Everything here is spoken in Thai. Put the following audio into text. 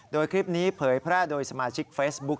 โดยคลิปนี้เผยแพร่โดยสมาชิกเฟซบุ๊ค